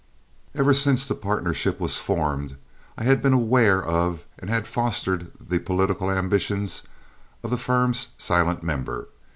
Ever since the partnership was formed I had been aware of and had fostered the political ambitions of the firm's silent member.